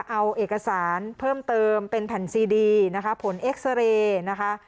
เอาเอกสารเพิ่มเติมเป็นแผ่นซีดีนะคะผลเอ็กซาเรย์นะคะ